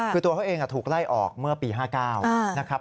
คือตัวเขาเองถูกไล่ออกเมื่อปี๕๙นะครับ